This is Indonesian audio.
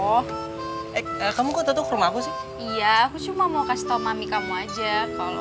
oh kamu kok tetap rumahku sih iya aku cuma mau kasih tahu mami kamu aja kalau